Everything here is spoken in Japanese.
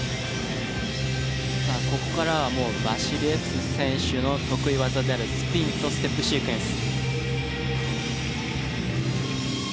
さあここからはもうバシリエフス選手の得意技であるスピンとステップシークエンス。